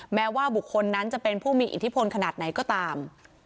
แม้ว่าบุคคลนั้นจะเป็นผู้มีอิทธิพลขนาดไหนก็ตาม